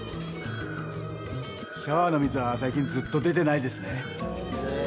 シャワーの水は最近ずっと出てないですね。